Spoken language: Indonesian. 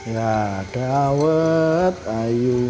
ya dawat ayu